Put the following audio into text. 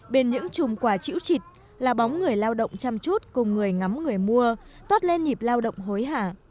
bên những chùm quả chữ trịt là bóng người lao động chăm chút cùng người ngắm người mua toát lên nhịp lao động hối hả